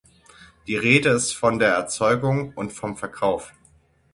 Die Rede ist von der Erzeugung und vom Verkauf.